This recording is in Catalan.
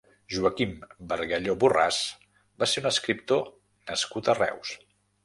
Joaquim Bargalló Borràs va ser un escriptor nascut a Reus.